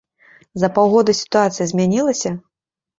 За паўгода сітуацыя змянілася?